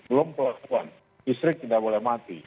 belum pelabuhan listrik tidak boleh mati